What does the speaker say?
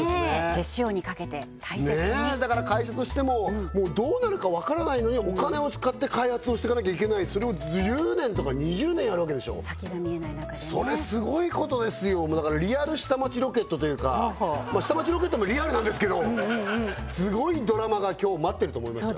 手塩にかけて大切にだから会社としてもどうなるか分からないのにお金を使って開発をしてかなきゃいけないそれを１０年とか２０年やるわけでしょ先が見えない中でねそれすごいことですよだから「リアル下町ロケット」というか「下町ロケット」もリアルなんですけどすごいドラマが今日待ってると思いますよ